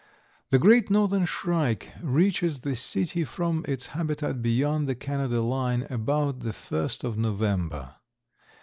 The Great Northern Shrike reaches the city from its habitat beyond the Canada line about the first of November.